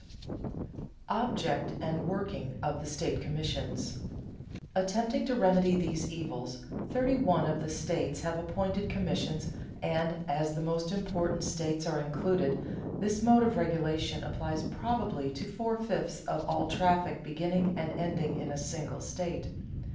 [Sidenote: Object and working of the state commissions] Attempting to remedy these evils, thirty one of the states have appointed commissions and, as the most important states are included, this mode of regulation applies probably to four fifths of all traffic beginning and ending in a single state.